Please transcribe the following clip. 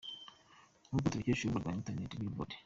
Nkuko tubikesha urubuga rwa internet billboard.